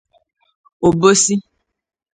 Obosi